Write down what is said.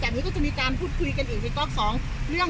หรือทุกคนจะมีการพูดคุยกันอีกในตซองที่